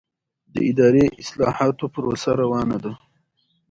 د اداري اصلاحاتو پروسه روانه ده؟